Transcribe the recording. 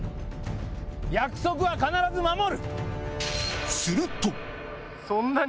約束は必ず守る！